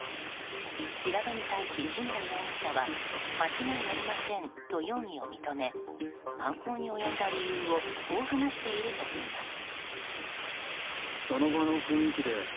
調べに対し志村容疑者は間違いありませんと容疑を認め犯行に及んだ理由をこう話しているといいます。